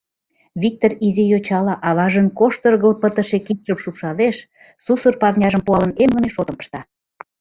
Виктор изи йочала аважын коштыргыл пытыше кидшым шупшалеш, сусыр парняжым пуалын эмлыме шотым ышта.